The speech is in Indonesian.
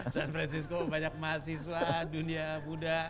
san francisco banyak mahasiswa dunia buddha